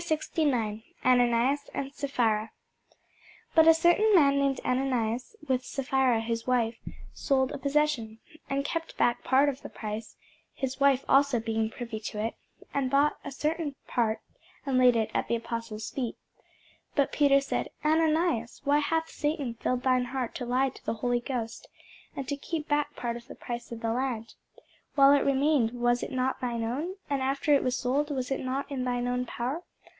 CHAPTER 69 ANANIAS AND SAPPHIRA BUT a certain man named Ananias, with Sapphira his wife, sold a possession, and kept back part of the price, his wife also being privy to it, and brought a certain part, and laid it at the apostles' feet. But Peter said, Ananias, why hath Satan filled thine heart to lie to the Holy Ghost, and to keep back part of the price of the land? While it remained, was it not thine own? and after it was sold, was it not in thine own power?